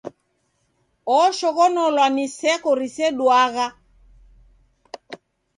Oshoghonolwa ni seko riseduagha!